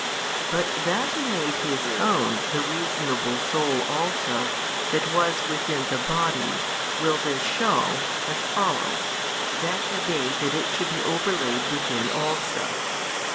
But that He made His own the reasonable Soul also that was within the Body, will this shew, viz., that He bade that it should be overlaid within also.